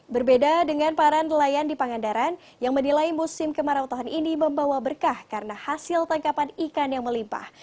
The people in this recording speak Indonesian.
berbeda dengan para nelayan di pangandaran yang menilai musim kemarau tahun ini membawa berkah karena hasil tangkapan ikan yang melimpah